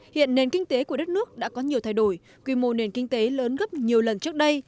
hiện nền kinh tế của đất nước đã có nhiều thay đổi quy mô nền kinh tế lớn gấp nhiều lần trước đây